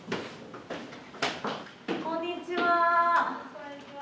こんにちは。